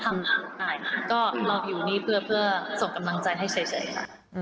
ได้ค่ะก็รออยู่นี่เพื่อส่งกำลังใจให้เฉยค่ะ